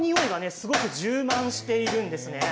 すごく充満しているんですね。